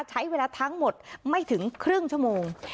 ใช้เวลาทั้งหมดไม่ถึงครึ่งชั่วโมง